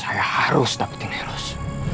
saya harus dapetin helos